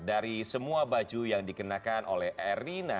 dari semua baju yang dikenakan oleh erina